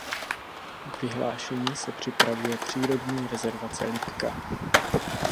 K vyhlášení se připravuje přírodní rezervace Lipka.